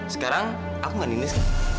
sekarang aku gak nindas